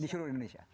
di seluruh indonesia